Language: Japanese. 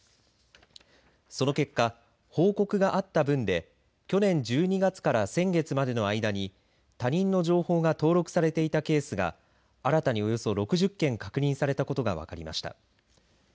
その結果、報告があった分で去年１２月から先月までの間に他人の情報が登録されていたケースが新たにおよそ６０件確認されたことが分かりました。